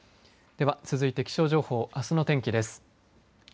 では、続いて気象情報あすの天気です。